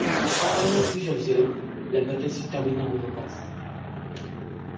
Après plusieurs heures, la bataille se termina en impasse.